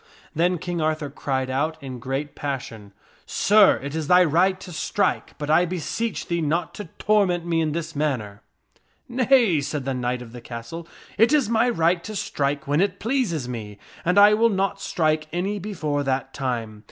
Then King Arthur cried out ments King in great passion, " Sir, it is thy right to strike, but I be Arthur seech thee not to torment me in this manner." " Nay," said the knight of the castle, "it is my right to strike when it pleases me, and I will not strike any before that time.